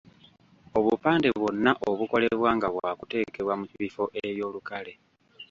Obupande bwonna obukolebwa nga bwa kuteekebwa mu bifo eby’olukale.